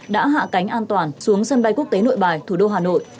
đã hạ cánh an toàn xuống sân bay quốc tế nội bài thủ đô hà nội